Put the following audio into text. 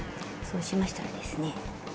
そうしましたらですね